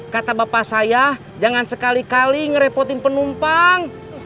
kata bapak saya jangan sekali kali ngerepotin penumpang